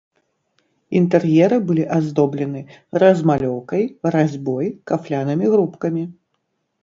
Інтэр'еры былі аздоблены размалёўкай, разьбой, кафлянымі грубкамі.